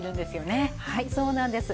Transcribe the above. はいそうなんです。